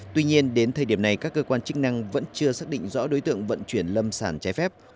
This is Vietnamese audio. tuy nhiên đến thời điểm này các cơ quan chức năng vẫn chưa xác định rõ đối tượng vận chuyển lâm sản trái phép